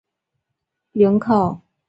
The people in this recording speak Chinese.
古东人口变化图示